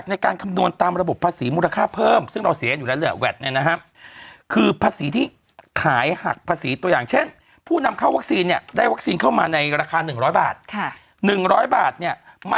ในการคำนวณตามระบบภาษีมูลค่าเพิ่ม